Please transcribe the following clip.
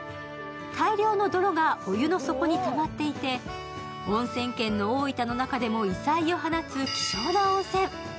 大量の泥がお湯の底にたまってい、おんせん県の大分の中でも異彩を放つ、希少な温泉。